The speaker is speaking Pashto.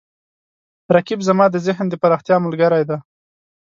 رقیب زما د ذهن د پراختیا ملګری دی